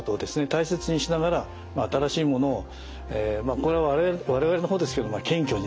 大切にしながら新しいものをこれは我々の方ですけど謙虚にですね